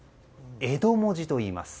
江戸文字といいます。